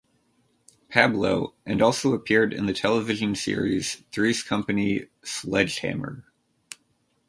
Pablo", and also appeared in the television series "Three's Company", "Sledge Hammer!